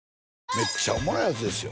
めっちゃおもろいヤツですよ